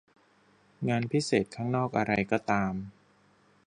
งานพิเศษข้างนอกอะไรก็ตาม